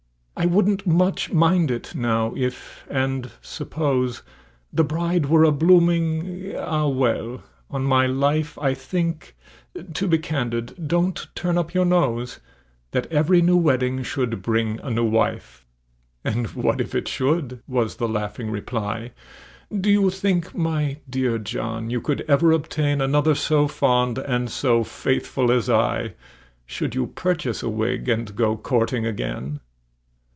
"I wouldn't much mind it, now—if—and suppose— The bride were a blooming—Ah! well—on my life, I think—to be candid—(don't turn up your nose!) That every new wedding should bring a new wife!" "And what if it should?" was the laughing reply; "Do you think, my dear John, you could ever obtain Another so fond and so faithful as I, Should you purchase a wig, and go courting again?"